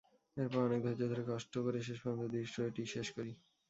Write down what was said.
এরপর অনেক ধৈর্য ধরে, কষ্ট করে শেষ পর্যন্ত দৃশ্যটি শেষ করি।